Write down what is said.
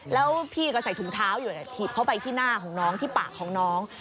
แล้วพี่ก็ใส่ถุงเท้าอยู่ถีบเข้าไปที่หน้าของน้องที่ปากของน้อง